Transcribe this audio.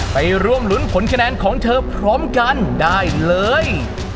ไปร่วมรุ้นผลคะแนนของเธอพร้อมกันได้เลย